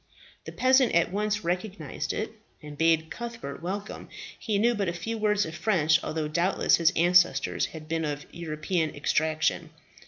The peasant at once recognized it, and bade Cuthbert welcome. He knew but a few words of French, although doubtless his ancestors had been of European extraction.